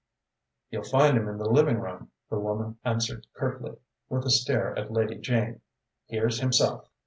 "You'll find him in the living room," the woman answered curtly, with a stare at Lady Jane. "Here's himself."